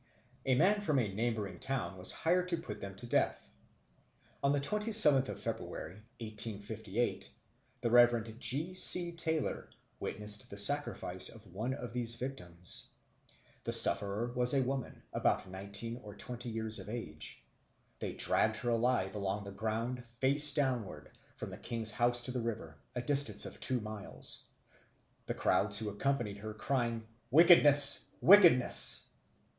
A man from a neighbouring town was hired to put them to death. On the twenty seventh of February 1858 the Rev. J. C. Taylor witnessed the sacrifice of one of these victims. The sufferer was a woman, about nineteen or twenty years of age. They dragged her alive along the ground, face downwards, from the king's house to the river, a distance of two miles, the crowds who accompanied her crying, "Wickedness! wickedness!"